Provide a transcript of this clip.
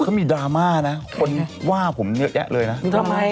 เขามีดราม่านะคนว่าผมเยอะแยะเลยนะ